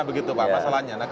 begitu pak masalahnya